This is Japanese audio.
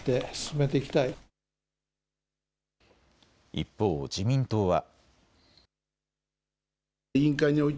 一方、自民党は。